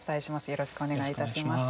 よろしくお願いします。